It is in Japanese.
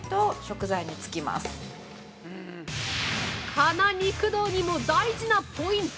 この肉道にも大事なポイント